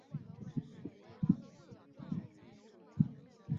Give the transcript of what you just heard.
维德角埃斯库多是维德角共和国的流通货币。